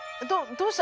どうした？